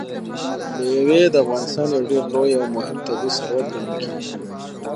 مېوې د افغانستان یو ډېر لوی او مهم طبعي ثروت ګڼل کېږي.